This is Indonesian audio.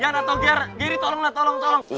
yan atau geri geri tolong lah tolong